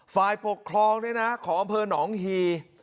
ฝ่ายปกครองของอำเภอหนองฮี